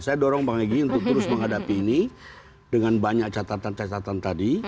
saya dorong bang egy untuk terus menghadapi ini dengan banyak catatan catatan tadi